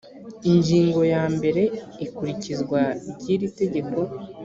ingingo ya mbere ikurikizwa ry iri tegeko